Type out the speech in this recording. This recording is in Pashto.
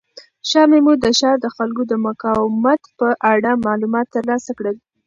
شاه محمود د ښار د خلکو د مقاومت په اړه معلومات ترلاسه کړل.